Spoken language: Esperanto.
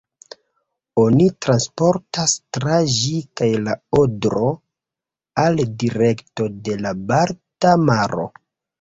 Oni transportas tra ĝi kaj la Odro al direkto de la Balta maro.